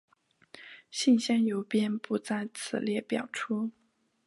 信箱邮编不在此表列出。